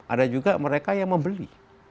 ada juga mereka yang membeli